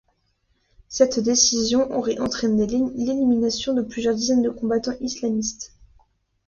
Cette décision aurait entraîné l’élimination de plusieurs dizaines de combattants islamistes.